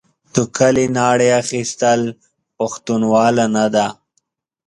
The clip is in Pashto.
توکلې ناړې اخيستل؛ پښتنواله نه ده.